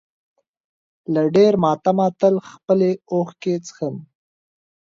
له ډېر ماتمه تل خپلې اوښکې څښم.